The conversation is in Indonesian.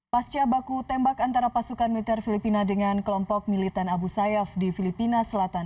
pasca baku tembak antara pasukan militer filipina dengan kelompok militan abu sayyaf di filipina selatan